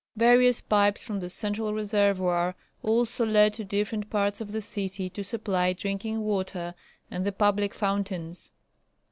Various pipes from the central reservoir also led to different parts of the city to supply drinking water and the public fountains.